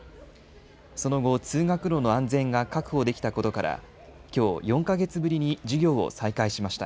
その後、通学路の安全が確保できたことから、きょう４か月ぶりに授業を再開しました。